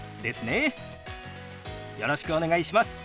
よろしくお願いします。